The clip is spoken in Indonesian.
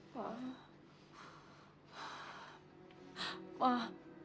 terima kasih dok